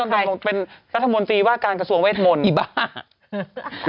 แล้วให้คุณแม่รักษาการกระทรวงเวทมนตร์